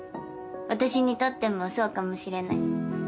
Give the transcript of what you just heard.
私にとってもそうかもしれない。